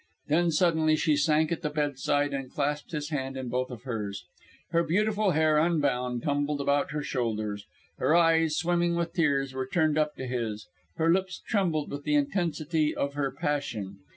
Then suddenly she sank at the bedside and clasped his hand in both of hers. Her beautiful hair, unbound, tumbled about her shoulders; her eyes, swimming with tears, were turned up to his; her lips trembled with the intensity of her passion.